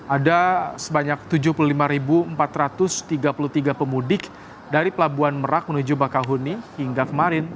ada sebanyak tujuh puluh lima empat ratus tiga puluh tiga pemudik dari pelabuhan merak menuju bakahuni hingga kemarin